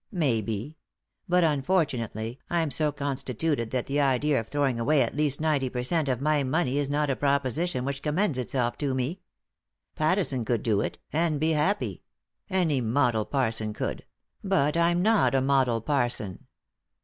Maybe. But, unfortunately, I'm so con stituted that the idea of throwing away at least ninety per cent of my money is not a proposition which commends itself to me. Pattison could do it, and be happy ; any model parson could — but I'm not a model parson."